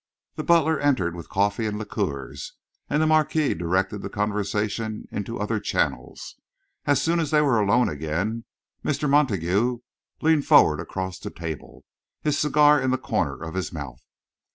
The butler entered with coffee and liqueurs, and the Marquis directed the conversation into other channels. As soon as they were alone again, Mr. Montague leaned forward across the table, his cigar in the corner of his mouth.